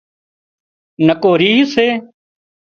نڪو ريهه سي